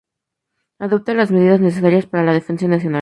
Adopta las medidas necesarias para la defensa nacional.